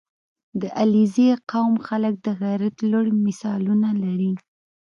• د علیزي قوم خلک د غیرت لوړ مثالونه لري.